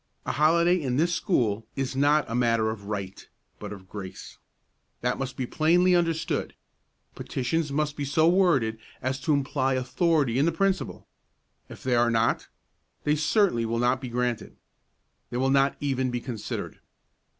A holiday in this school is not a matter of right, but of grace. That must be plainly understood. Petitions must be so worded as to imply authority in the principal; if they are not, they certainly will not be granted; they will not even be considered.